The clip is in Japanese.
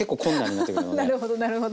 なるほどなるほど。